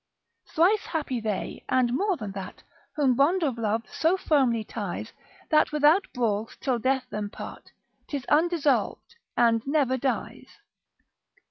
Thrice happy they, and more than that, Whom bond of love so firmly ties, That without brawls till death them part, 'Tis undissolv'd and never dies.